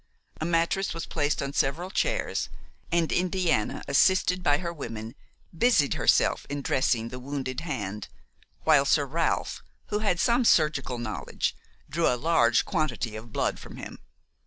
MADAME DELMARE DRESSES DE RAMIÈRE'S WOUNDS A mattress was placed on several chairs, and Indiana, assisted by her women, busied herself in dressing the wounded hand, while Sir Ralph, who had some surgical knowledge, drew a large quantity of blood from him.